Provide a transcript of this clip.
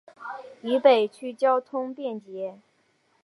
渝北区交通便捷。